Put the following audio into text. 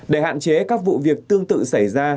để hạn chế các vụ việc tương tự xảy ra